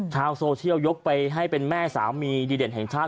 ชาวโซเชียลยกไปให้เป็นแม่สามีดีเด่นแห่งชาติ